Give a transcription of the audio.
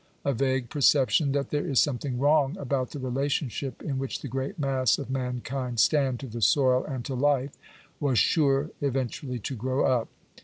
A vague per ception that there is something wrong about the relationship in which the great mass of mankind stand to the soil and to life, was sure eventually to grow up.